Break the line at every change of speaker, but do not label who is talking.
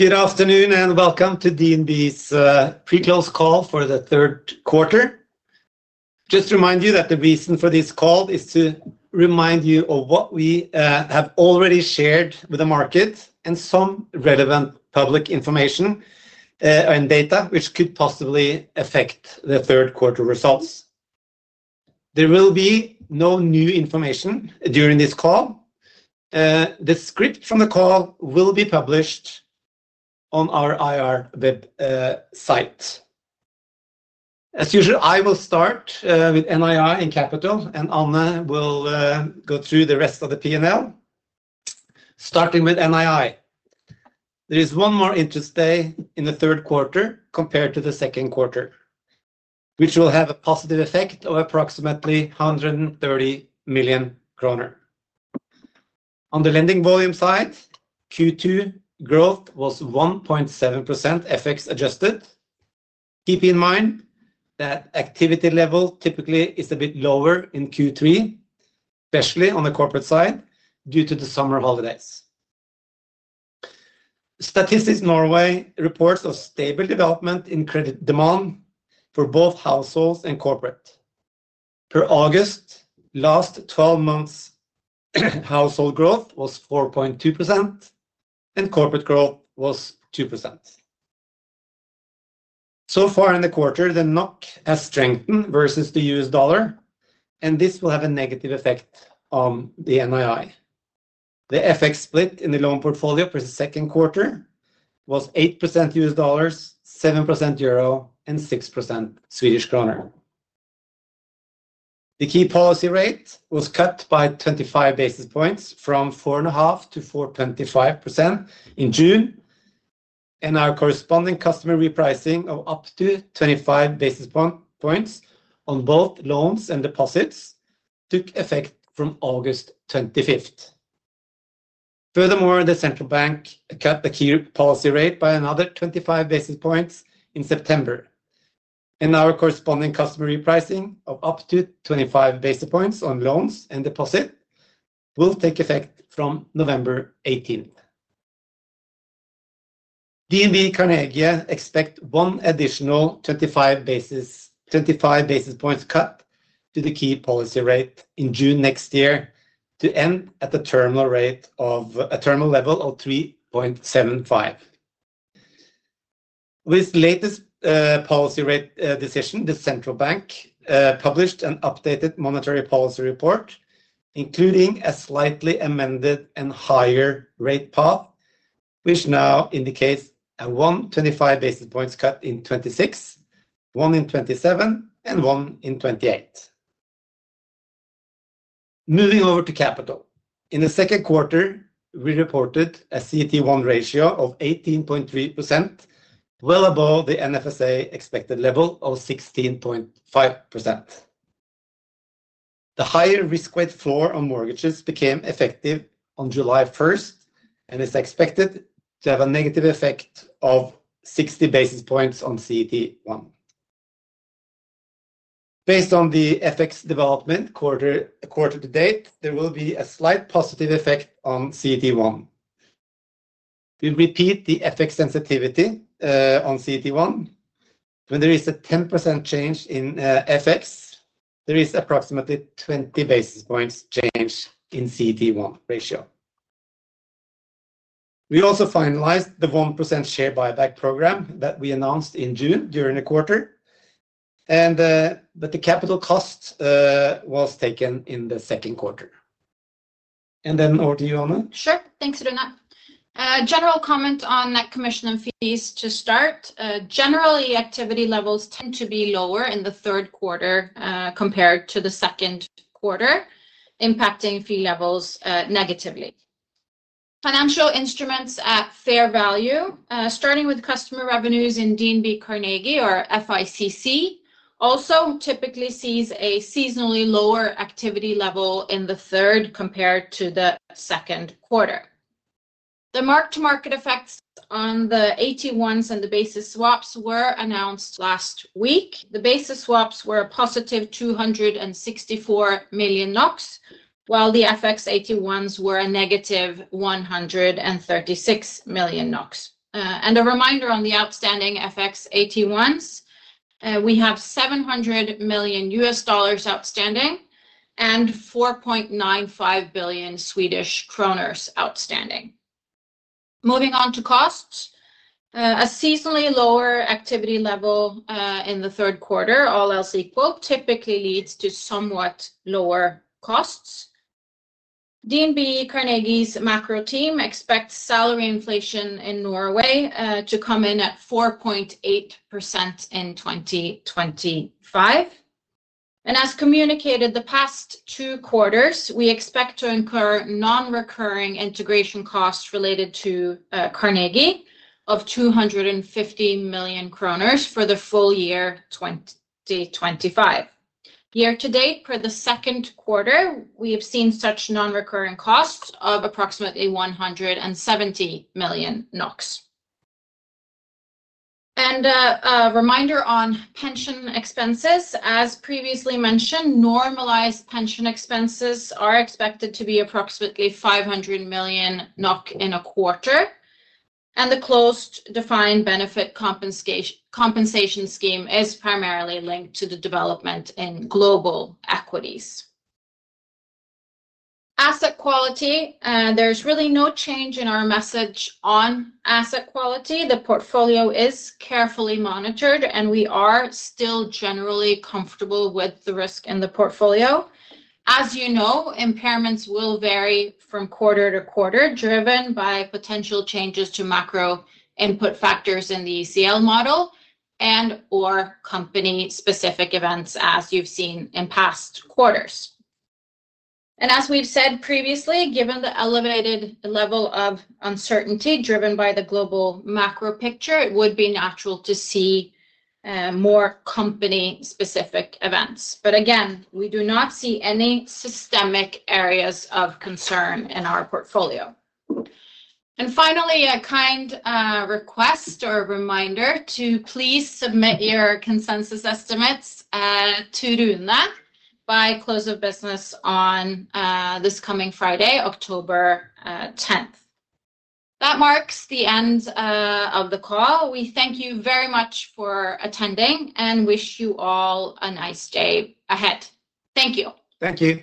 Good afternoon and welcome to DNB's Pre-close Call for the Third Quarter. Just to remind you that the reason for this call is to remind you of what we have already shared with the market and some relevant public information and data which could possibly affect the third quarter results. There will be no new information during this call. The script from the call will be published on our IR website. As usual, I will start with NII in capital and Anne will go through the rest of the P&L. Starting with NII, there is one more interest day in the third quarter compared to the second quarter, which will have a positive effect of approximately 130 million kroner. On the lending volume side, Q2 growth was 1.7% FX-adjusted. Keep in mind that activity level typically is a bit lower in Q3, especially on the corporate side due to the summer holidays. Statistics Norway reports a stable development in credit demand for both households and corporate. Per August, last 12 months' household growth was 4.2% and corporate growth was 2%. So far in the quarter, the NOK has strengthened versus the U.S. dollar, and this will have a negative effect on the NII. The FX split in the loan portfolio for the second quarter was 8% U.S. dollars, 7% euro, and 6% Swedish kroner. The key policy rate was cut by 25 basis points from 4.5% to 4.25% in June, and our corresponding customer repricing of up to 25 basis points on both loans and deposits took effect from August 25th. Furthermore, the central bank cut the key policy rate by another 25 basis points in September, and our corresponding customer repricing of up to 25 basis points on loans and deposits will take effect from November 18th. DNB Carnegie expects one additional 25 basis points cut to the key policy rate in June next year to end at a terminal level of 3.75%. With this latest policy rate decision, the central bank published an updated monetary policy report, including a slightly amended and higher rate path, which now indicates a one 25 basis points cut in 2026, one in 2027, and one in 2028. Moving over to capital, in the second quarter, we reported a CET1 ratio of 18.3%, well above the NFSA expected level of 16.5%. The higher risk weight floor on mortgages became effective on July 1st and is expected to have a negative effect of 60 basis points on CET1. Based on the FX development quarter to date, there will be a slight positive effect on CET1. We repeat the FX sensitivity on CET1. When there is a 10% change in FX, there is approximately 20 basis points change in CET1 ratio. We also finalized the 1% share buyback program that we announced in June during the quarter, but the capital cost was taken in the second quarter. Over to you, Anne.
Sure, thanks, Rune. General comment on net commission and fees to start. Generally, activity levels tend to be lower in the third quarter compared to the second quarter, impacting fee levels negatively. Financial instruments at fair value, starting with customer revenues in DNB Carnegie, or FICC, also typically see a seasonally lower activity level in the third compared to the second quarter. The mark-to-market effects on the FX 81s and the basis swaps were announced last week. The basis swaps were a positive 264 million NOK, while the FX 81s were a -136 million NOK. A reminder on the outstanding FX 81s, we have $700 million outstanding and 4.95 billion Swedish kronor outstanding. Moving on to costs, a seasonally lower activity level in the third quarter, all else equal, typically leads to somewhat lower costs. DNB Carnegie's macro team expects salary inflation in Norway to come in at 4.8% in 2025. As communicated the past two quarters, we expect to incur non-recurring integration costs related to Carnegie of 250 million kroner for the full year 2025. Year to date, per the second quarter, we have seen such non-recurring costs of approximately NOK 170 million. A reminder on pension expenses. As previously mentioned, normalized pension expenses are expected to be approximately 500 million NOK in a quarter. The closed defined benefit compensation scheme is primarily linked to the development in global equities. Asset quality, there's really no change in our message on asset quality. The portfolio is carefully monitored, and we are still generally comfortable with the risk in the portfolio. As you know, impairments will vary from quarter to quarter, driven by potential changes to macro input factors in the ECL model and/or company-specific events, as you've seen in past quarters. As we've said previously, given the elevated level of uncertainty driven by the global macro picture, it would be natural to see more company-specific events. Again, we do not see any systemic areas of concern in our portfolio. Finally, a kind request or reminder to please submit your consensus estimates to Rune by close of business on this coming Friday, October 10th. That marks the end of the call. We thank you very much for attending and wish you all a nice day ahead. Thank you.
Thank you.